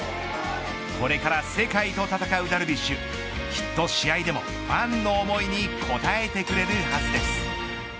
これから世界と戦うダルビッシュきっと試合でもファンの思いに応えてくれるはずです。